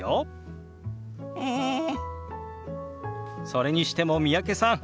それにしても三宅さん